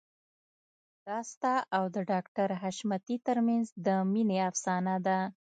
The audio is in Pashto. دا ستا او د ډاکټر حشمتي ترمنځ د مينې افسانه ده